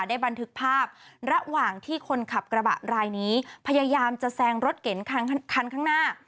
บันทึกภาพระหว่างที่คนขับกระบะรายนี้พยายามจะแซงรถเก๋งคันข้างหน้า